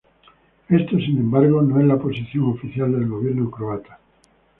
Esto, sin embargo, no es la posición oficial del gobierno croata.